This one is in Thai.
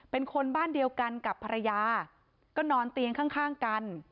เป็นคนบ้านเดียวกันกับภรรยาก็นอนเตียงข้างกัน